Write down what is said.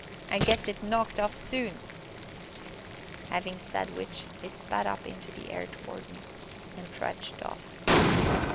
an' gets it knocked off soon!" Having said which, he spat up into the air towards me, and trudged off.